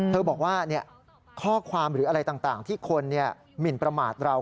เขาบอกว่าข้อความหรืออะไรต่างที่คนหมินประมาทเรา